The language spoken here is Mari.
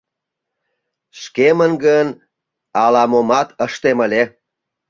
Шкемын гын, ала-момат ыштем ыле.